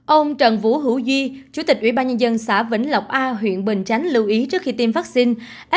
ông trần vũ hữu duy chủ tịch ủy ban nhân dân xã vĩnh lộc a huyện bình chánh lưu ý trước khi tiêm vaccine